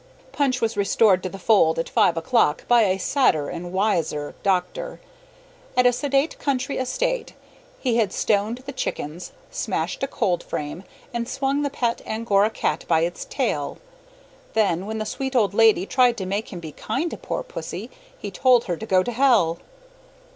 Punch was restored to the fold at five o'clock by a sadder and wiser doctor. At a sedate country estate he had stoned the chickens, smashed a cold frame, and swung the pet Angora cat by its tail. Then when the sweet old lady tried to make him be kind to poor pussy, he told her to go to hell.